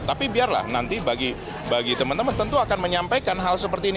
tapi biarlah nanti bagi teman teman tentu akan menyampaikan hal seperti ini